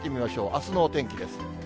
あすのお天気です。